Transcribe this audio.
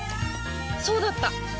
そうだった！